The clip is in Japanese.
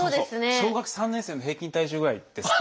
小学３年生の平均体重ぐらいです。